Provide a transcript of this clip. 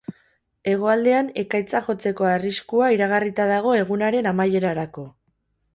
Hegoaldean, ekaitzak jotzeko arriskua iragarrita dago egunaren amaierarako.